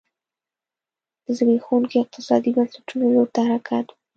د زبېښونکو اقتصادي بنسټونو لور ته حرکت و